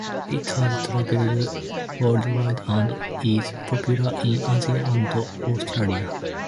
It has traveled worldwide and is popular in Asia and Australia.